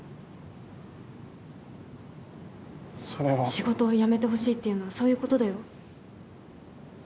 仕事を辞めてほしいっていうのはそういうことだよ。